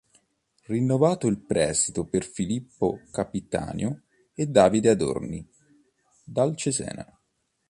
Rinnovato il prestito per Filippo Capitanio e Davide Adorni dal Cesena.